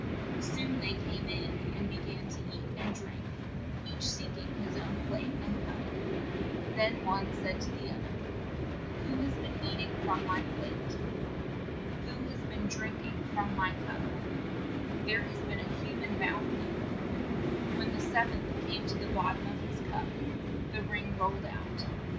Soon they came in, and be gan to eat and drink, each seek ing his own plate and cup. Then one said to the oth er, "Who has been eat ing from my plate? Who has been drink 64 THE SEVEN CROWS 'THE SEVEN CROWS ARE NOW FLYING HOME." ing from my cup? There has been a hu man mouth here." When the sev enth came to the bot tom of his cup, the ring rolled out.